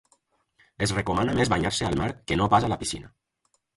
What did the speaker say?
Es recomana més banyar-se al mar que no pas a la piscina.